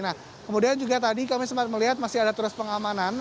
nah kemudian juga tadi kami sempat melihat masih ada terus pengamanan